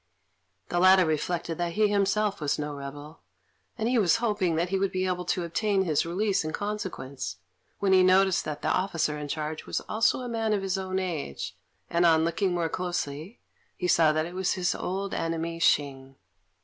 The latter reflected that he himself was no rebel, and he was hoping that he would be able to obtain his release in consequence, when he noticed that the officer in charge was also a man of his own age, and, on looking more closely, he saw that it was his old enemy, Hsing.